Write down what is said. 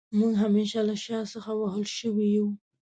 موږ همېشه له شا څخه وهل شوي يو